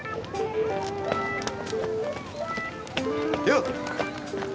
よう！